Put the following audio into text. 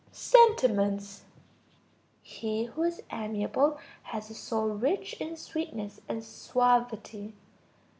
Sentiments. He who is amiable has a soul rich in sweetness and suavity.